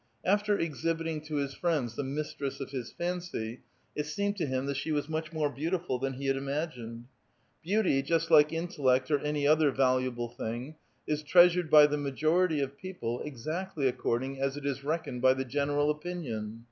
After exhibiting to his friends the mistress of his fancy, it seemed to him that she was much more beautiful than he had imagined. Beauty, just like intellect or any other valuable thing, is treasured by the majority of people exactly accord ing as it is reckoned by the general opinion.